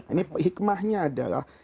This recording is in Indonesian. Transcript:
ini hikmahnya adalah